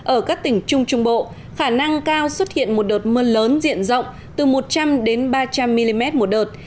ở các tỉnh trung trung bộ khả năng cao xuất hiện một đợt mưa lớn diện rộng từ một trăm linh ba trăm linh mm một đợt